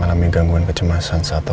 apa yang akan nyerang septu